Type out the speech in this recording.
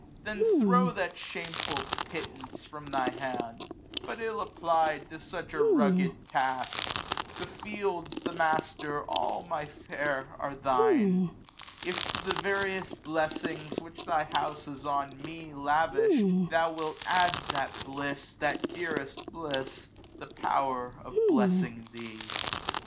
*' Then throw that shameful pittance from thy hand, But ill apply'd to such a rugged task j The fields, the master, all, my fair, are thine ; 290 '* If to the various blessings which thy house *' Has on me lavished, thou wilt add that bliss, '* That dearest bliss, the power of blessing thee